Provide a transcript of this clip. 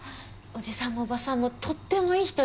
おじさんもおばさんもとってもいい人で。